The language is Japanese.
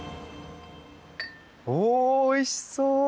おいしそう。